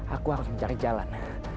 aku harus mencari jalan